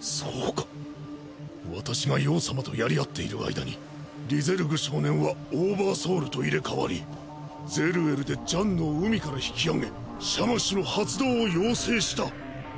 そうか私が葉様とやり合っている間にリゼルグ少年はオーバーソウルと入れ代わりゼルエルでジャンヌを海から引き上げシャマシュの発動を要請した。